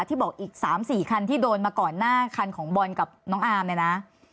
บอกอีก๓๔คันที่โดนมาก่อนหน้าคันของบอลกับน้องอาร์มเนี่ยนะ